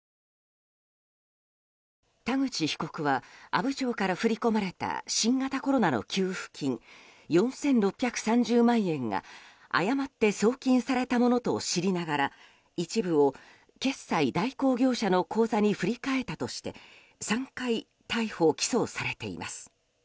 田口被告は阿武町から振り込まれた新型コロナの給付金４６３０万円が誤って送金されたものと知りながら一部を決済代行業者の口座に振り替えたとして３回、逮捕・起訴されています。